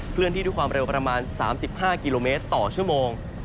เคลื่อนที่ทุกความเร็วประมาณ๓๕ก์ต่อชั่วโมง